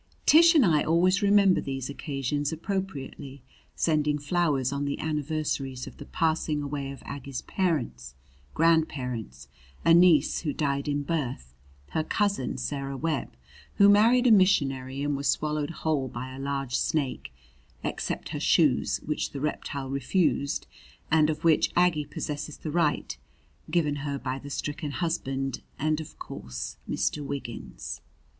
Tish and I always remember these occasions appropriately, sending flowers on the anniversaries of the passing away of Aggie's parents; grandparents; a niece who died in birth; her cousin, Sarah Webb, who married a missionary and was swallowed whole by a large snake, except her shoes, which the reptile refused and of which Aggie possesses the right, given her by the stricken husband; and, of course, Mr. Wiggins.